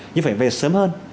nhưng phải về sớm hơn